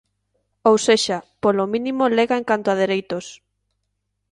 Ou sexa, polo mínimo lega en canto a dereitos.